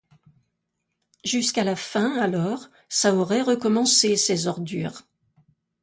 Jusqu'à la fin, alors, ça aurait recommencé, ces ordures!